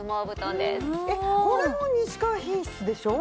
これも西川品質でしょ？